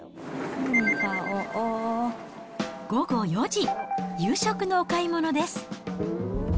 午後４時、夕食のお買い物です。